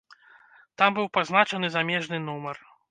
Там быў пазначаны замежны нумар.